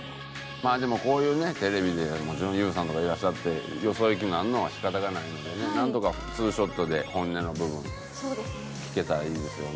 まあでもこういうねテレビでもちろんＹＯＵさんとかいらっしゃってよそいきになるのは仕方がないのでねなんとか２ショットで本音の部分聞けたらいいですよね。